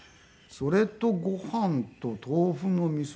それとご飯と豆腐のみそ汁。